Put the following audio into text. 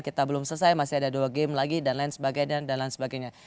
kita belum selesai masih ada dua game lagi dan lain sebagainya